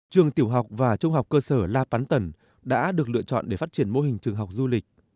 trường tiểu học và trung học cơ sở la pắn tần đã được lựa chọn để phát triển mô hình trường học du lịch